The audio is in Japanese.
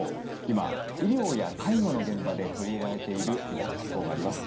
今医療や介護の現場で取り入れられているリラックス法があります。